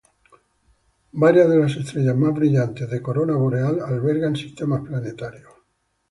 Varias de las estrellas más brillantes de Corona Boreal albergan sistemas planetarios.